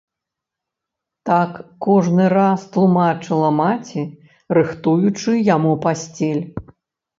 Так кожны раз тлумачыла маці, рыхтуючы яму пасцель.